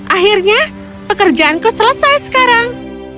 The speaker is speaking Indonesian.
akhirnya pekerjaanku selesai sekarang